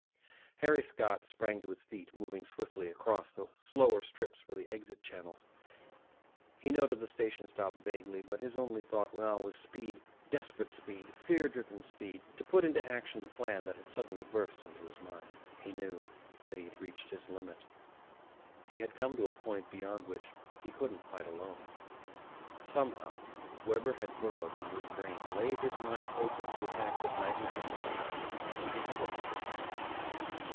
Harry Scott sprang to his feet, moving swiftly across the slower strips for the exit channels. He noted the station stop vaguely, but his only thought now was speed, desperate speed, fear driven speed to put into action the plan that had suddenly burst in his mind. He knew that he had reached his limit. He had come to a point beyond which he couldn't fight alone. Somehow, Webber had burrowed into his brain, laid his mind open to attacks of nightmare and madness that he could never hope to fight.